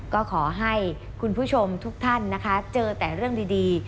ก็ขอให้คุณผู้ชมทุกท่านนะคะเจอแต่เรื่องดี